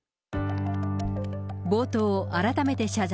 冒頭、改めて謝罪。